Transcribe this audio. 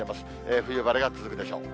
冬晴れが続くでしょう。